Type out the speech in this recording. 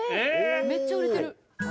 めっちゃ売れてる。